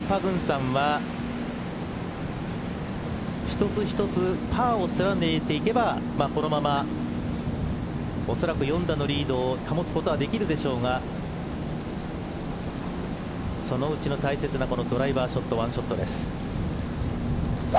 ジュビック・パグンサンは１つ１つパーを連ねていけば、このまま恐らく４打のリードを保つことはできるでしょうがそのうちの大切なこのドライバーショット、１ショットです。